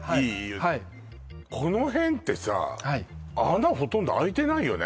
はいこの辺ってさあはい穴ほとんどあいてないよね